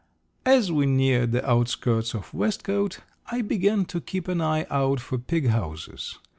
As we neared the outskirts of Westcote, I began to keep an eye out for pig houses.